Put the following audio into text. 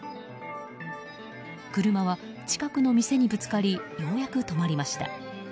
車は近くの店にぶつかりようやく止まりました。